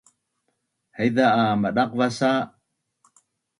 Haiza a madaqvas sa